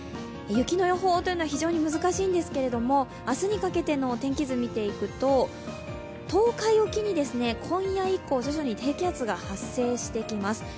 雪の予報は非常に難しいんですけれども、明日にかけての天気図を見ていくと、東海沖に今夜以降、徐々に低気圧が発生してきます。